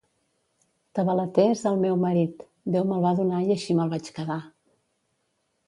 Tabaleter és el meu marit, Déu me'l va donar i així me'l vaig quedar.